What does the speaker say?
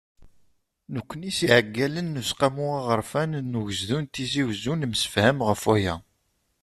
Nekkni s yiɛeggalen n Useqqamu Aɣerfan n Ugezdu n Tizi Uzzu, nemsefham ɣef waya.